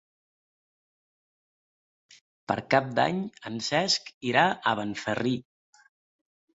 Per Cap d'Any en Cesc irà a Benferri.